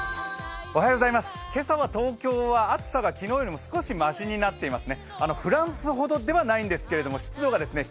今朝は東京は暑さが昨日より少しましになっています。